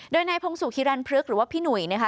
โดยนายพงศุฮิรันพฤกษ์หรือว่าพี่หนุ่ยนะคะ